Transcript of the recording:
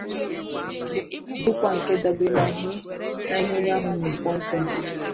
bụkwa nke dabeere n'ihe onye ahụ mere kpọmkem.